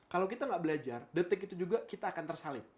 kalau kita nggak belajar detik itu juga kita akan tersalib